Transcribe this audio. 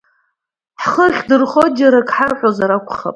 Ҳхы ахьдырхо џьара акы ҳарҳәозар акәхап!